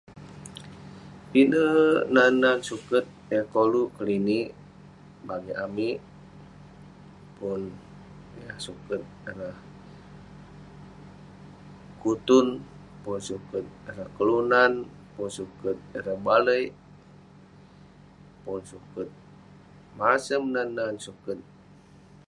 Pinek nan nan suket yah koluk keninik bagik amik. Pun yah suket ireh kutun, pun suket ireh kelunan, pun suket ireh baliek, pun suket masem nan nan suket.